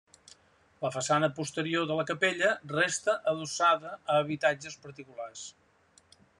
La façana posterior de la capella resta adossada a habitatges particulars.